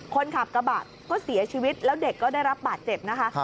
คนขับกระบะก็เสียชีวิตแล้วเด็กก็ได้รับบาดเจ็บนะคะ